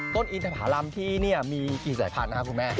ต้นอีนทะพารำที่นี่มีกี่สายพันธุ์ค่ะคุณแม่